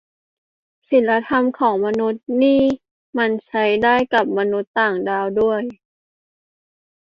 ศีลธรรมของมนุษย์นี่มันใช้ได้กับมนุษย์ต่างดาวด้วย